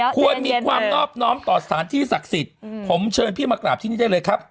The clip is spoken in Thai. ควรมีความนอบน้อมต่อสถานที่ศักดิ์สิทธิ์ผมเชิญพี่มากราบที่นี่ได้เลยครับ